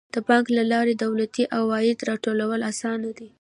د بانک له لارې د دولتي عوایدو راټولول اسانه دي.